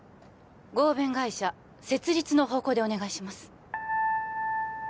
合弁会社設立の方向でお願いします